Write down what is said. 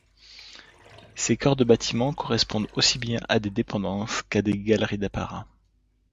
Ces corps de bâtiment correspondent aussi bien à des dépendances qu'à des galeries d'apparat.